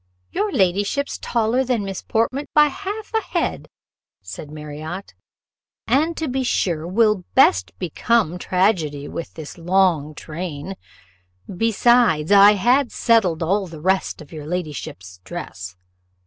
"Your ladyship's taller than Miss Portman by half ahead," said Marriott, "and to be sure will best become tragedy with this long train; besides, I had settled all the rest of your ladyship's dress.